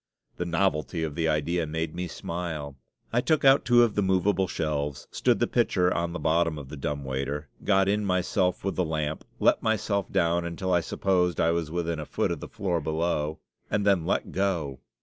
The novelty of the idea made me smile. I took out two of the movable shelves, stood the pitcher on the bottom of the dumb waiter, got in myself with the lamp; let myself down, until I supposed I was within a foot of the floor below, and then let go!